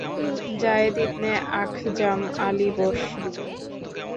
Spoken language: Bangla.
Zayed ibn Akhzam al-Basri